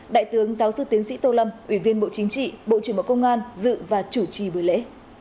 đại tướng giáo sư tiến sĩ tô lâm ủy viên bộ chính trị bộ trưởng bộ công an dự và chủ trì buổi lễ